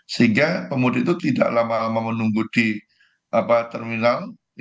sehingga pemudik itu tidak lama lama menunggu di terminal